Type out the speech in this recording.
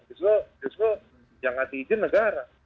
justru yang ngasih izin negara